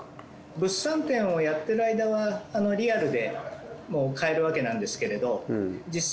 物産展をやってる間はリアルで買えるわけなんですけれど。